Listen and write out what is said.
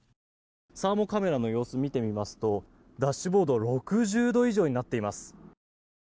サーモカメラの様子を見てみますとダッシュボード６０度以上になっています。